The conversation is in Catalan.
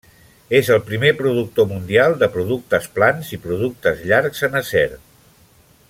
És el primer productor mundial de productes plans i productes llargs en acer.